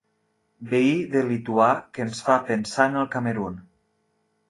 Veí de lituà que ens fa pensar en el Camerun.